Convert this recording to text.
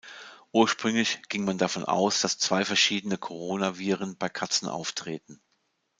Ursprünglich ging man davon aus, dass zwei verschiedene Corona-Viren bei Katzen auftreten.